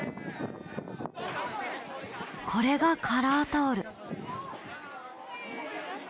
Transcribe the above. これがカラータオル。